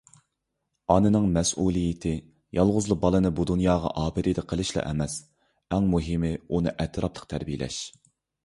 ئانىنىڭ مەسئۇلىيىتى يالغۇزلا بالىنى بۇ دۇنياغا ئاپىرىدە قىلىشلا ئەمەس، ئەڭ مۇھىمى ئۇنى ئەتراپلىق تەربىيەلەش.